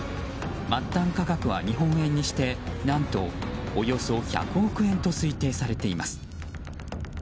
末端価格は日本円にして何と、およそ１００億円と推定されています。